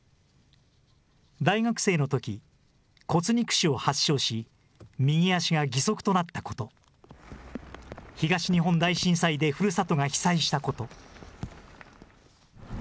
大学生のとき、骨肉腫を発症し、右足が義足となったこと、東日本大震災でふるさとが被災したこと。